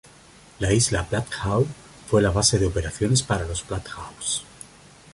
La Isla Blackhawk fue la base de operaciones para los Blackhawks.